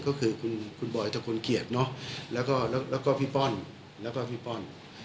ก็คือคุณบอยตะคนเกีียดแล้วก็พี่ป้อน